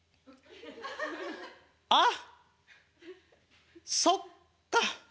「あっそっか」。